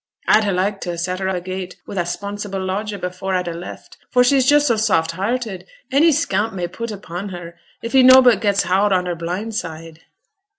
A'd ha' liked to ha' set her agait wi' a 'sponsible lodger afore a'd ha' left, for she's just so soft hearted, any scamp may put upon her if he nobbut gets houd on her blind side.'